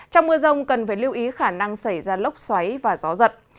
trong mưa rông cần phải lưu ý khả năng xảy ra lốc xoáy và gió giật